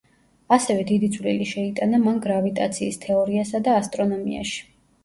ასევე დიდი წვლილი შეიტანა მან გრავიტაციის თეორიასა და ასტრონომიაში.